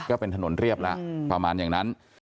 ก็เป็นถนนเรียบแล้วประมาณอย่างนั้น